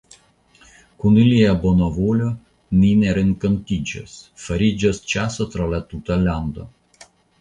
Kun ilia bona volo ni ne renkontiĝos; fariĝos ĉaso tra la tuta lando.